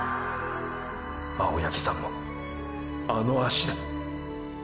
青八木さんもあの足で！！